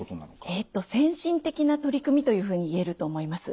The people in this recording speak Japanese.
えと先進的な取り組みというふうに言えると思います。